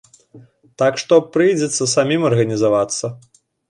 Так што прыйдзецца самім арганізавацца.